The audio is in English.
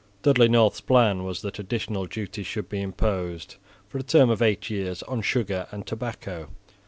Dudley North's plan was that additional duties should be imposed, for a term of eight years, on sugar and tobacco.